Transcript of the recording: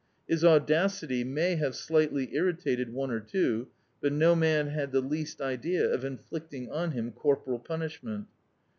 His audacity may have slightly irritated one or two, but no man had the least idea of inflicting on him cor^ poral punishment.